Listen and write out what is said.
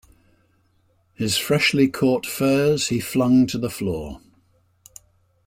His freshly caught furs he flung to the floor.